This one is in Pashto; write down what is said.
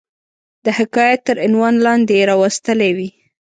د حکایت تر عنوان لاندي را وستلې وي.